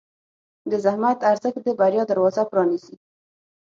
د زحمت ارزښت د بریا دروازه پرانیزي.